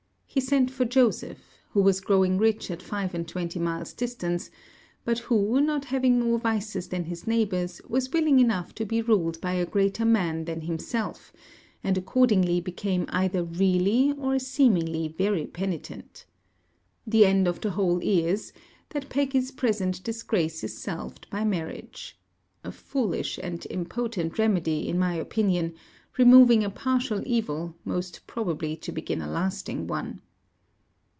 He sent for Joseph, who was growing rich at five and twenty miles distance, but who not having more vices than his neighbours was willing enough to be ruled by a greater man than himself, and accordingly became either really or seemingly very penitent. The end of the whole is, that Peggy's present disgrace is salved by marriage. A foolish and impotent remedy, in my opinion; removing a partial evil, most probably to begin a lasting one.